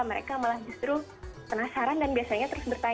mereka malah justru penasaran dan biasanya terus bertanya